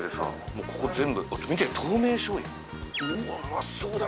もうここ全部見て透明醤油うわうまそうだ